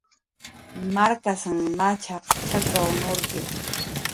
Markasn machaq chakw nurki